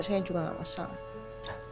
saya juga gak masalah